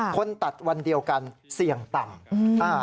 คนตัดวันเดียวกันเสี่ยงต่ำ